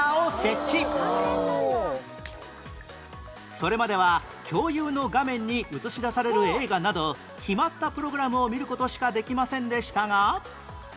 それまでは共有の画面に映し出される映画など決まったプログラムを見る事しかできませんでしたが